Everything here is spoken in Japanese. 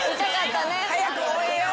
早く終えよう。